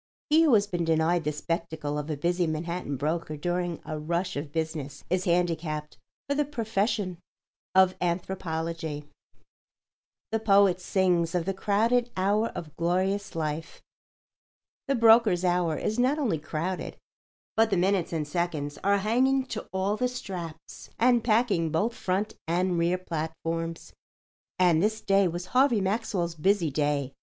He who has been denied the spectacle of a busy Manhattan broker during a rush of business is handicapped for the profession of anthropology. The poet sings of the "crowded hour of glorious life." The broker's hour is not only crowded, but the minutes and seconds are hanging to all the straps and packing both front and rear platforms. And this day was Harvey Maxwell's busy day.